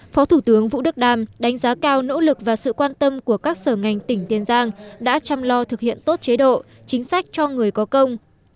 phó thủ tướng vũ đức đam đánh giá cao nỗ lực và sự quan tâm của các sở ngành tỉnh tiền giang đã chăm lo thực hiện tốt chế độ chính sách cho người có công